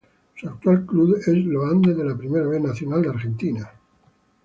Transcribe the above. Su actual club es Los Andes de la Primera B Nacional de Argentina.